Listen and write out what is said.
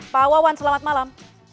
pak wawan selamat malam